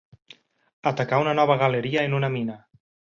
Atacar una nova galeria en una mina.